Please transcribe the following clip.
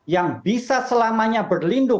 yang bisa selamanya memperoleh kemerdekaan